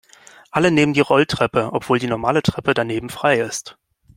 Alle nehmen die Rolltreppe, obwohl die normale Treppe daneben frei ist.